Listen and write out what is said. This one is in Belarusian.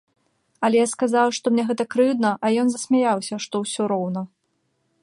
Але я сказаў, што мне гэта крыўдна, а ён засмяяўся, што ўсё роўна.